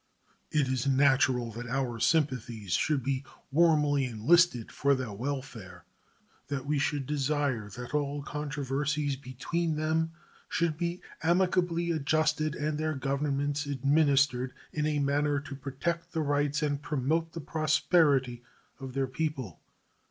It is natural that our sympathies should be warmly enlisted for their welfare; that we should desire that all controversies between them should be amicably adjusted and their Governments administered in a manner to protect the rights and promote the prosperity of their people.